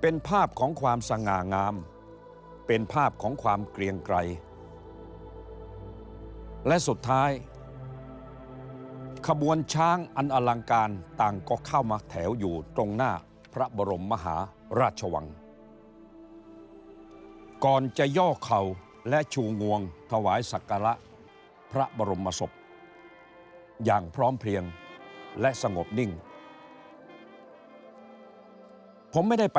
พร้อมพร้อมพร้อมพร้อมพร้อมพร้อมพร้อมพร้อมพร้อมพร้อมพร้อมพร้อมพร้อมพร้อมพร้อมพร้อมพร้อมพร้อมพร้อมพร้อมพร้อมพร้อมพร้อมพร้อมพร้อมพร้อมพร้อมพร้อมพร้อมพร้อมพร้อมพร้อมพร้อมพร้อมพร้อมพร้อมพร้อมพร้อมพร้อมพร้อมพร้อมพร้อมพร้อมพร้อมพ